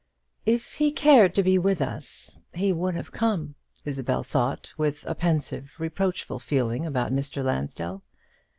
"If he cared to be with us, he would have come," Isabel thought, with a pensive reproachful feeling about Mr. Lansdell.